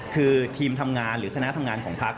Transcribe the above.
คือทีมทำงานหรือคณะทำงานของพัก